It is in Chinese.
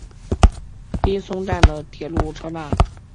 滨松站的铁路车站。